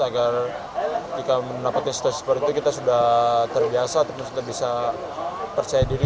agar jika mendapatkan situasi seperti itu kita sudah terbiasa terus kita bisa percaya diri